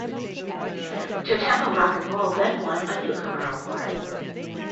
Tottemo Rock 'n' Roll then won a newcomer award.